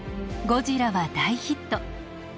「ゴジラ」は大ヒット。